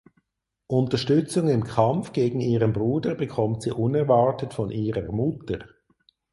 Unterstützung im „Kampf“ gegen ihren Bruder bekommt sie unerwartet von ihrer Mutter.